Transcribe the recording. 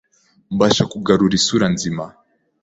mbasha kugarura isura nzima